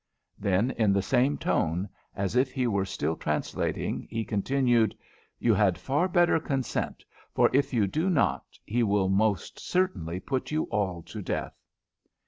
Then in the same tone, as if he were still translating, he continued: "You had far better consent, for if you do not he will most certainly put you all to death."